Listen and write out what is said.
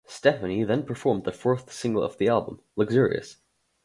Stefani then performed the fourth single from the album, "Luxurious".